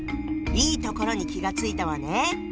いいところに気が付いたわね！